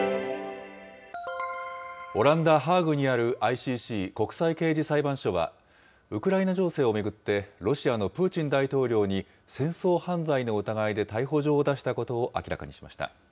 オランダ・ハーグにあるＩＣＣ・国際刑事裁判所は、ウクライナ情勢を巡ってロシアのプーチン大統領に戦争犯罪の疑いで逮捕状を出したことを明らかにしました。